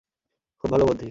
খুব ভালো বুদ্ধি!